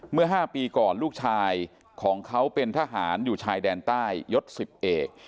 เมื่อ๕ปีก่อนลูกชายของเขาเป็นทหารอยู่ชายแดนใต้ยศ๑๐เอก